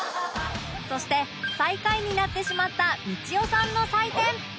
そして最下位になってしまったみちおさんの採点